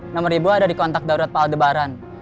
nomor ibu ada di kontak daerah pak aldebaran